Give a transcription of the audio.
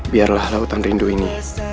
biarlah lautan rindu ini